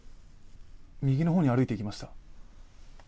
右の方に歩いていきました。